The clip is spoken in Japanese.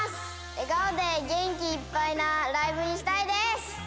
笑顔で元気いっぱいなライブにしたいです！